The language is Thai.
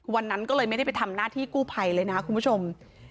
วันนั้นก็เลยไม่ได้ไปทำหน้าที่กู้ภัยเลยนะคุณผู้ชม